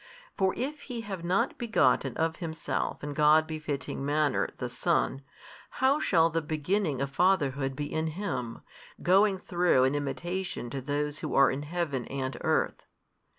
For if He have not begotten of Himself in God befitting manner the Son, how shall the beginning of Fatherhood be in Him, going through in imitation to those who are in Heaven and earth?